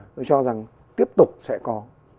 tôi cho rằng tiếp tục sẽ có